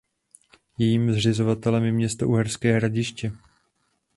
Jejím zřizovatelem je město Uherské Hradiště.